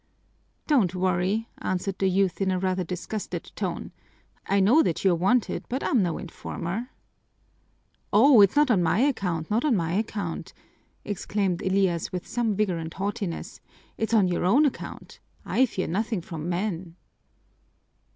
"Don't worry," answered the youth in a rather disgusted tone. "I know that you're wanted, but I'm no informer." "Oh, it's not on my account, not on my account!" exclaimed Elias with some vigor and haughtiness. "It's on your own account. I fear nothing from men."